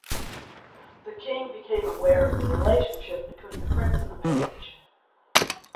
The king became aware of the relationship between the prince and the page.